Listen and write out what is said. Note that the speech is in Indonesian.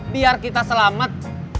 biar kita selamat